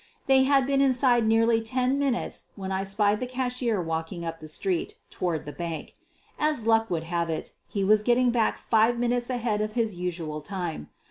/They had been inside nearly ten minutes when I spied the cashier walking up the street toward the bank. As luck would have it, he was getting back five minutes ahead of his usual time.